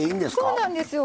そうなんですよ。